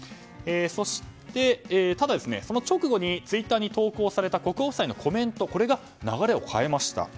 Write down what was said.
そして、ただ、その直後にツイッターに投稿された国王夫妻のコメントが流れを変えました。